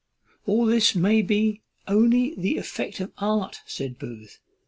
"All this may be only the effect of art," said Booth.